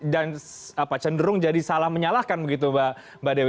dan cenderung jadi salah menyalahkan begitu mbak dewi